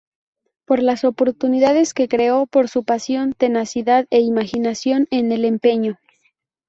Por las oportunidades que creó, por su pasión, tenacidad e imaginación en el empeño.